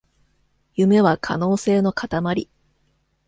夢は可能性のかたまり